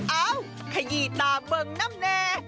เอ้าขยี้ตาเบิงน้ำแน่